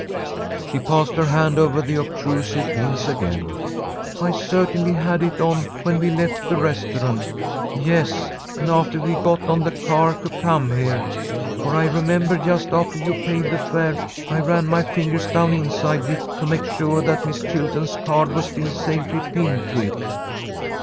She passed her hand over the obtrusive pins again. "I certainly had it on when we left the restaurant. Yes, and after we got on the car to come here, for I remember just after you paid the fare I ran my fingers down inside of it to make sure that Miss Chilton's card was still safely pinned to it."